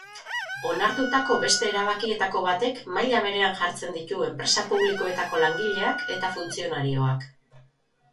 Onartutako beste erabakietako batek maila berean jartzen ditu enpresa publikoetako langileak eta funtzionarioak.